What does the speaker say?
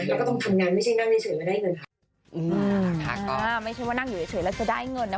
แล้วก็ต้องทำงานไม่ใช่นั่งเฉยไม่ได้เงินค่ะอ่าไม่ใช่ว่านั่งอยู่เฉยแล้วจะได้เงินนะ